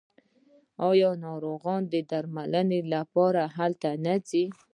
آیا ناروغان د درملنې لپاره هلته نه ځي؟